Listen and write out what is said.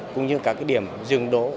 cũng như các điểm dừng đỗ